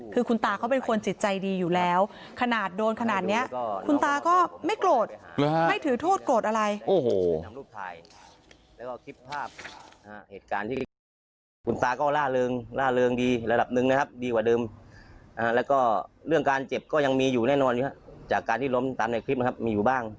คือคุณตาเขาเป็นคนจิตใจดีอยู่แล้วขนาดโดนขนาดนี้คุณตาก็ไม่โกรธไม่ถือโทษโกรธอะไรโอ้โห